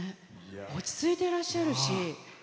落ち着いていらっしゃるし。